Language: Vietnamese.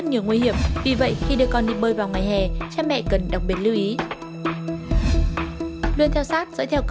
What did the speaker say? những biểu hiện như đau đầu mệt mỏi quá mức buồn ngủ ho